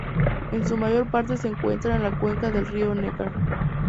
En su mayor parte se encuentra en la cuenca del río Neckar.